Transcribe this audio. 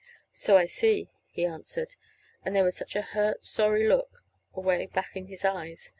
"So I see," he answered. And there was such a hurt, sorry look away back in his eyes.